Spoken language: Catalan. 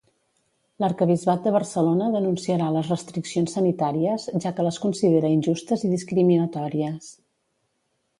L'arquebisbat de Barcelona denunciarà les restriccions sanitàries, ja que les considera injustes i discriminatòries.